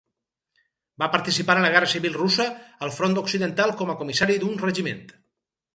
Va participar en la Guerra Civil Russa al front occidental com a comissari d'un regiment.